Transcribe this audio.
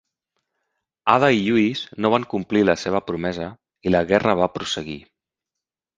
Ada i Lluís no van complir la seva promesa i la guerra va prosseguir.